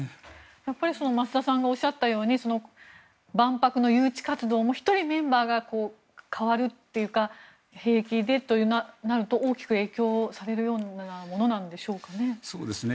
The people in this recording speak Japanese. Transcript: やっぱり増田さんがおっしゃったように万博の誘致活動も１人メンバーが代わるというか兵役でとなると大きく影響されるようなものなんでしょうかね。